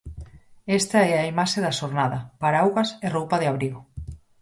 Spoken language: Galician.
Esta é a imaxe da xornada, paraugas e roupa de abrigo.